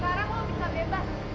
sekarang kamu bisa bebas